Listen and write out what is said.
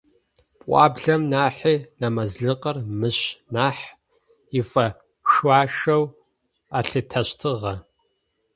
Пӏуаблэм нахьи нэмазлыкъыр мыщ нахь ифэшъуашэу алъытэщтыгъэ.